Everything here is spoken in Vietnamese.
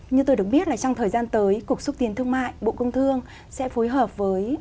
như tôi được biết là trong thời gian tới cục xúc tiến thương mại bộ công thương sẽ phối hợp với